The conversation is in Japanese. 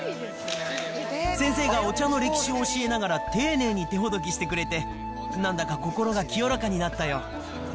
先生がお茶の歴史を教えながら丁寧に手ほどきしてくれて、なんだか心が清らかになったよ。